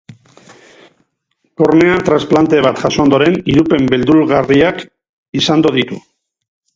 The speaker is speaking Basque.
Kornea transplante bat jaso ondoren irupen beldulgarriak izando ditu.